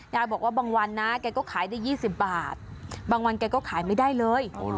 ยายบอกว่าบางวันนะแกก็ขายได้๒๐บาทบางวันแกก็ขายไม่ได้เลย